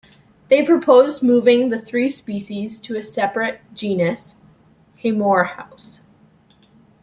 They proposed moving the three species to a separate genus "Haemorhous".